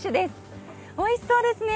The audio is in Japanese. おいしそうですね。